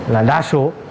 là đa số